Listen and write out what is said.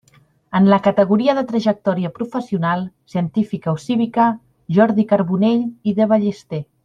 En la categoria de trajectòria professional, científica o cívica, Jordi Carbonell i de Ballester.